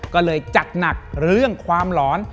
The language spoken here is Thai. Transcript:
ก็เลยจัดหนักเรื่องความหลอน